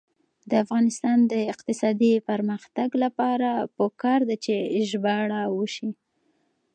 د افغانستان د اقتصادي پرمختګ لپاره پکار ده چې ژباړه وشي.